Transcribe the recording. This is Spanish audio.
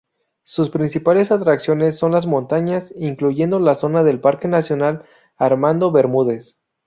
Sus principales atracciones son las montañas, incluyendo la zona del Parque Nacional Armando Bermúdez.